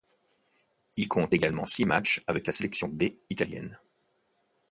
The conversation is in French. Il compte également six matchs avec la sélection B italienne.